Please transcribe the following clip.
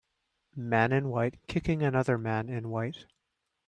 Man in white kicking another man in white.